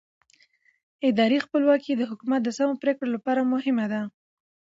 اداري خپلواکي د حکومت د سمو پرېکړو لپاره مهمه ده